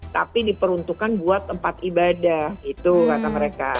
tapi diperuntukkan buat tempat ibadah itu kata mereka